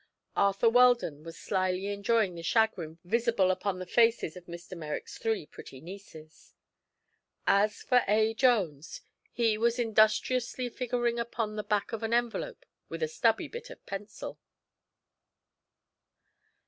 Arthur Weldon was slyly enjoying the chagrin visible upon the faces of Mr. Merrick's three pretty nieces. As for A. Jones, he was industriously figuring upon the back of an envelope with a stubby bit of pencil.